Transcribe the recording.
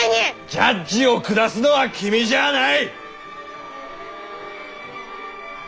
ジャッジを下すのは君じゃあない。